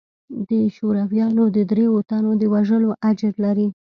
د شورويانو د درېو تنو د وژلو اجر لري.